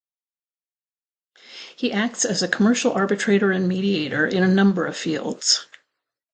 He acts as commercial arbitrator and mediator in a number of fields.